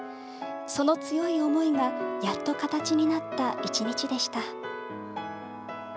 その強い思いがやっと形になった１日でした。